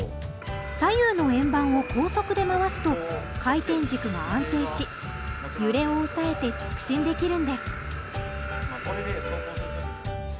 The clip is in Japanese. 左右の円盤を高速で回すと回転軸が安定し揺れを抑えて直進できるんです